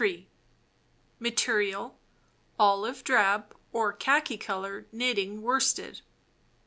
Material: Olive drab or khaki color knitting worsted.